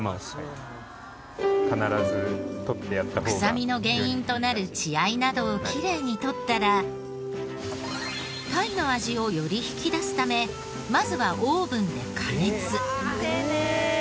臭みの原因となる血合いなどをきれいに取ったら鯛の味をより引き出すためまずは丁寧！